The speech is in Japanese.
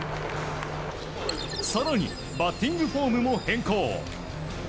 更にバッティングフォームも変更。